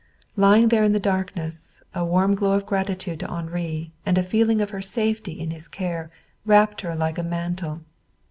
Lying there in the darkness, a warm glow of gratitude to Henri, and a feeling of her safety in his care, wrapped her like a mantle.